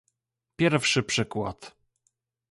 Pierwszy przykład